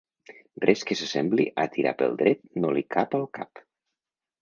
Res que s'assembli a tirar pel dret no li cap al cap.